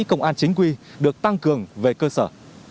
công an chính quy được tăng cường về cơ sở